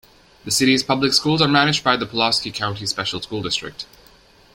The city's public schools are managed by the Pulaski County Special School District.